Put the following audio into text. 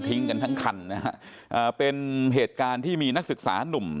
กันทั้งคันนะฮะอ่าเป็นเหตุการณ์ที่มีนักศึกษานุ่ม